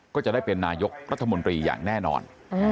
ก็จะได้เป็นนายกรัฐมนตรีอย่างแน่นอน